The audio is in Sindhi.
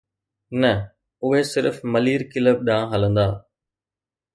نه، اهي صرف ملير ڪلب ڏانهن هلندا.